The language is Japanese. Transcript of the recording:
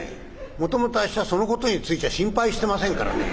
もともとあっしはそのことについちゃ心配してませんからね。